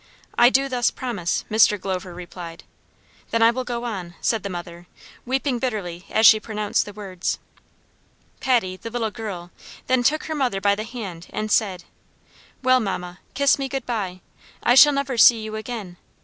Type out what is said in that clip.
"I do thus promise," Mr. Glover replied. "Then I will go on," said the mother, weeping bitterly as she pronounced the words. Patty, the little girl, then took her mother by the hand and said, "Well, mamma, kiss me good bye! I shall never see you again.